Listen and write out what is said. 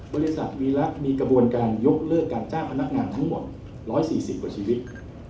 บริษัทวีระมีกระบวนการยกเลิกการจ้างพนักงานทั้งหมด๑๔๐กว่าชีวิต